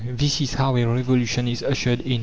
This is how a revolution is ushered in.